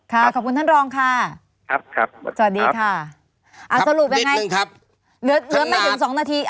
ค่ะขอบคุณท่านรองค่ะสวัสดีค่ะสรุปยังไงเหลือไม่ถึง๒นาที